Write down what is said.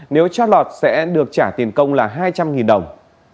nếu chót lọt sẽ được trả tiền công là hai trăm linh đồng